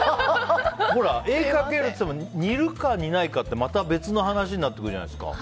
絵を描けるっていっても似るかに似ないかはまた別の話になってくるじゃないですか。